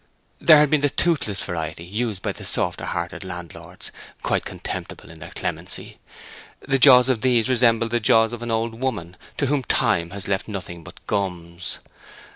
There had been the toothless variety used by the softer hearted landlords—quite contemptible in their clemency. The jaws of these resembled the jaws of an old woman to whom time has left nothing but gums.